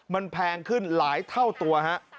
มันแพงขึ้นหลายเท่าตัวฮะ